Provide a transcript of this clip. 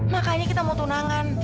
makanya kita mau tunangan